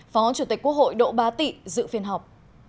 phó chủ tịch quốc hội đỗ ba tị dự phiên họp